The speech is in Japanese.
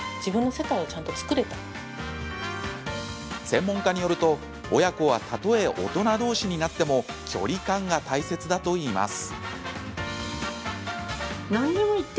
専門家によると親子はたとえ大人同士になっても距離感が大切だといいます。